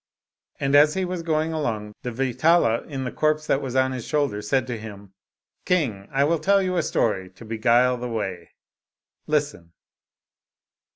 And as he was going along, the Vetala in the corpse that was on his shoulder said to him, " King, I will tell you a story to beguile the way, listen.